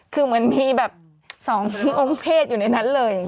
คือเหมือนมีแบบ๒องค์เพศอยู่ในนั้นเลย